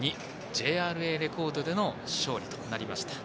ＪＲＡレコードでの勝利となりました。